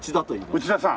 内田さん。